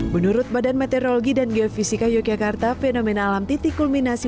menurut badan meteorologi dan geofisika yogyakarta fenomena alam titik kulminasi